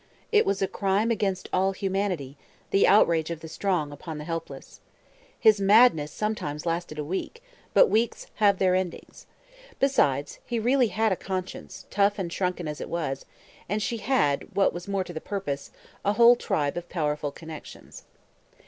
It was a crime against all humanity, the outrage of the strong upon the helpless. His madness sometimes lasted a week; but weeks have their endings. Besides, he really had a conscience, tough and shrunken as it was; and she had, what was more to the purpose, a whole tribe of powerful connections.